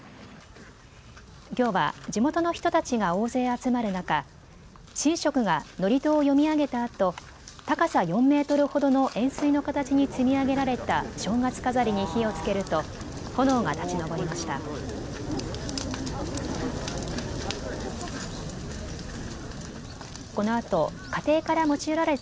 きょうは地元の人たちが大勢集まる中、神職が祝詞を読み上げたあと高さ４メートルほどの円すいの形に積み上げられた正月飾りに火をつけると炎が立ち上りました。